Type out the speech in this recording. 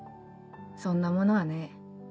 そんなものはねえ。